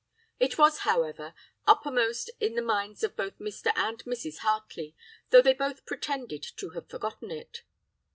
It was, however, uppermost in the minds of both Mr. and Mrs. Hartley, though they both pretended to have forgotten it.